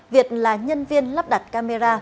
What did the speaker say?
việt là nhân viên lắp đặt camera